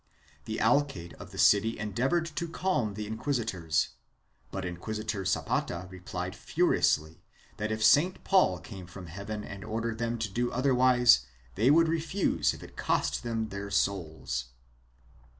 The alcalde of the city endeavored to calm the inquisitors, but Inquisitor Zapata replied furiously that if St. Paul came from heaven and ordered them to do otherwise they would refuse if it cost them their souls.